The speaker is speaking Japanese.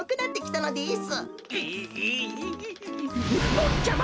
ぼっちゃま！